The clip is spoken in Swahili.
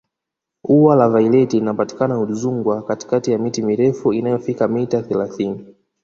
ua la vaileti linapatikana udzungwa katikati ya miti mirefu inayofika mita thelathini